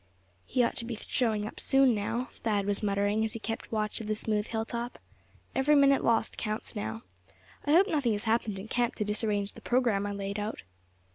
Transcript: "He ought to be showing up soon now," Thad was muttering as he kept watch of the smooth hilltop; "Every minute lost counts now. I hope nothing has happened in camp to disarrange the programme I laid out."